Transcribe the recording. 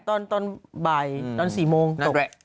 ตอนใบตอน๔โมงตก